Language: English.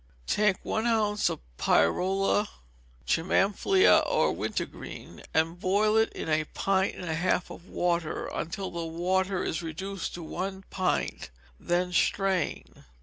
Take one ounce of pyrola (chimaphila, or winter green), and boil it in a pint and a half of water until the water is reduced to one pint; then strain.